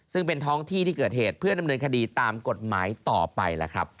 ซึ่งเป็นท้องที่เกิดเหตุเพื่อนดำเนินคดีตามกฎหมายต่อไป